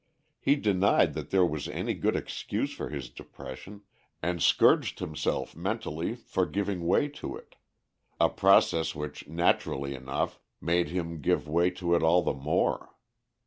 He denied that there was any good excuse for his depression, and scourged himself, mentally, for giving way to it, a process which naturally enough made him give way to it all the more.